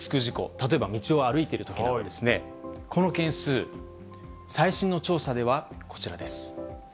例えば道を歩いているときなんですね、この件数、最新の調査ではこちらです。